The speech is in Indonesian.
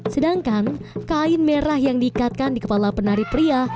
sedangkan kain merah yang diikatkan di kepala penari pria